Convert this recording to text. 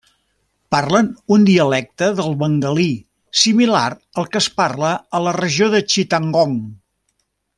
Parlen un dialecte del bengalí similar al que es parla a la regió de Chittagong.